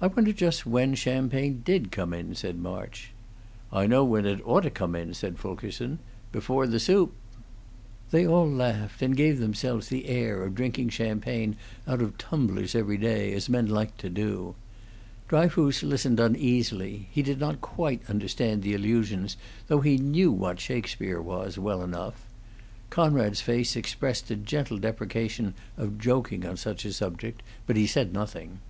"I wonder just when champagne did come in," said March. "I know when it ought to come in," said Fulkerson. "Before the soup!" They all laughed, and gave themselves the air of drinking champagne out of tumblers every day, as men like to do. Dryfoos listened uneasily; he did not quite understand the allusions, though he knew what Shakespeare was, well enough; Conrad's face expressed a gentle deprecation of joking on such a subject, but he said nothing.